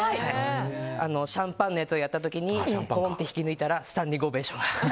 シャンパンのやつをやった時にポンって引き抜いたらスタンディングオベーション。